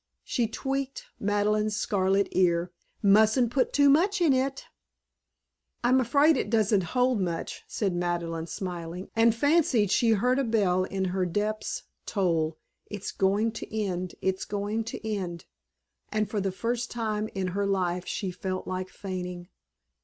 She tweaked Madeleine's scarlet ear. "Mustn't put too much in it." "I'm afraid it doesn't hold much," said Madeleine smiling; and fancied she heard a bell in her depths toll: "It's going to end! It's going to end!" And for the first time in her life she felt like fainting.